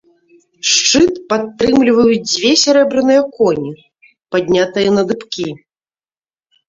Шчыт падтрымліваюць дзве сярэбраныя коні, паднятыя на дыбкі.